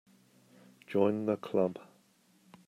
Join the Club.